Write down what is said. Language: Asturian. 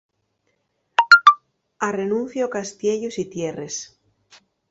Arrenuncio a castiellos y tierres.